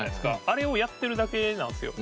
あれをやってるだけなんですよ。